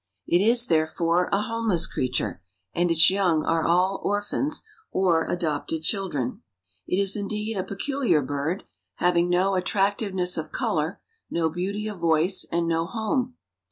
It is, therefore, a homeless creature, and its young are all orphans or adopted children. "It is, indeed, a peculiar bird, having no attractiveness of color, no beauty of voice, and no home.